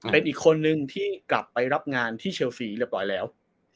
เป็นอีกคนนึงที่กลับไปรับงานที่เชลซีเรียบร้อยแล้ว